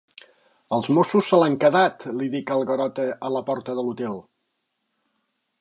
Els Mossos se l'han quedat —li dic al Garota, a la porta de l'hotel.